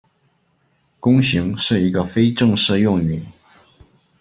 弓形是一个非正式用语。